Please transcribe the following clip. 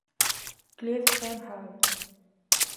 Cliff 'Em All!